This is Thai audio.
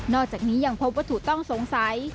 อกจากนี้ยังพบวัตถุต้องสงสัย